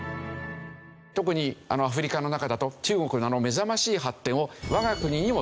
特にアフリカの中だと中国のあの目覚ましい発展を我が国にも取り入れたい。